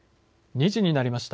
２時になりました。